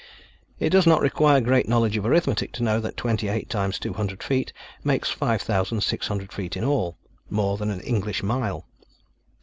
It does not require great knowledge of arithmetic to know that twenty eight times two hundred feet makes five thousand six hundred feet in all (more than an English mile).